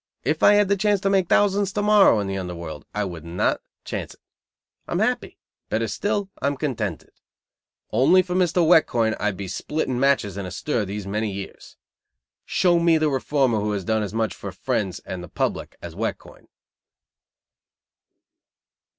If I had the chance to make thousands to morrow in the under world, I would not chance it. I am happy. Better still, I am contented. Only for Mr. Wet Coin I'd be splitting matches in the stir these many years. Show me the reformer who has done as much for friends and the public as Wet Coin."